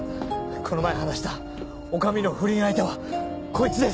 この前話した女将の不倫相手はこいつです。